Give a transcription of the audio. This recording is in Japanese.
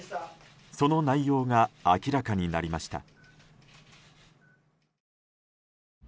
その内容が明らかになりました。